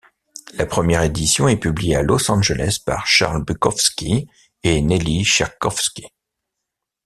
La première édition est publiée à Los Angeles par Charles Bukowski et Nelly Cherkovski.